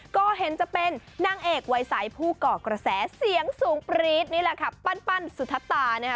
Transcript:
ก็เห็นจะเป็นนางเอกวัยสายผู้ก่อกระแสเสียงสูงปรี๊ดนี่แหละค่ะปั้นสุธตานะคะ